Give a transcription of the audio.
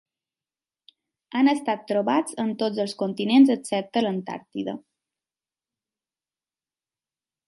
Han estat trobats en tots els continents excepte a l'Antàrtida.